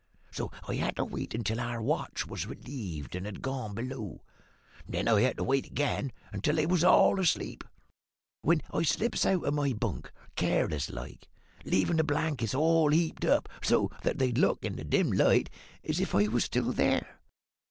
So I had to wait until our watch was relieved and had gone below; and then I had to wait again until they was all asleep, when I slips out of my bunk, careless like, leavin' the blankets all heaped up so that they'd look, in the dim light, as if I was still there.